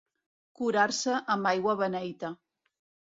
Curar-se amb aigua beneita.